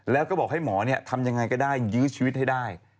แล้วก็บอกให้หมอทำยังไงก็ได้ยื้อชีวิตให้ได้